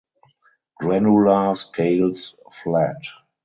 Granular scales flat.